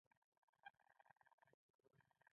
پوهنتون د مختلفو علومو او هنرونو کالجونه لري.